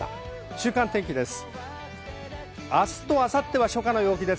週間天気です。